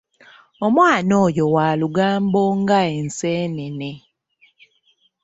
Omwana oyo wa lugambo nga Enseenene.